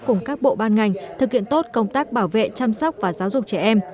cùng các bộ ban ngành thực hiện tốt công tác bảo vệ chăm sóc và giáo dục trẻ em